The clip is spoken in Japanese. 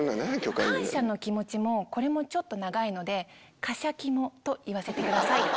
「感謝の気持ち」もこれもちょっと長いので「カシャキモ」と言わせてください。